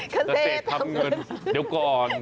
กระเศษทำเงินเดี๋ยวก่อน